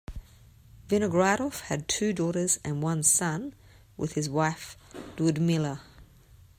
Vinogradov had two daughters and one son with his wife Liudmila.